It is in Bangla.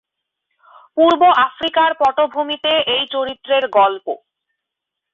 পূর্ব আফ্রিকার পটভূমিতে এই চরিত্রের গল্প।